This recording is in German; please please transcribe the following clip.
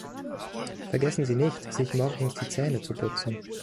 Vergessen Sie nicht, sich morgens die Zähne zu putzen.